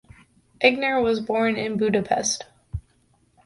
Eigner was born in Budapest.